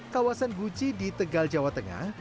kawasan guci di tegal jawa tengah